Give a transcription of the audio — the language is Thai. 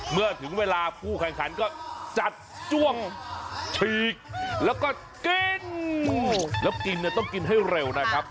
เมื่อถึงเวลาผู้แข่งขันก็จัดจ้วงฉีกแล้วก็กินแล้วกินเนี่ยต้องกินให้เร็วนะครับ